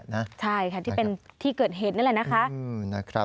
ใช่ค่ะที่เป็นที่เกิดเหตุนั่นแหละนะคะ